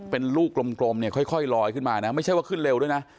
เป็นลูกกลมเนี่ยค่อยลอยขึ้นมานะไม่ใช่ว่าขึ้นเร็วด้วยนะ